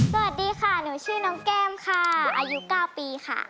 สวัสดีค่ะหนูชื่อน้องแก้มค่ะอายุ๙ปีค่ะ